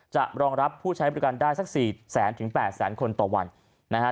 รองรับผู้ใช้บริการได้สัก๔แสนถึง๘แสนคนต่อวันนะฮะ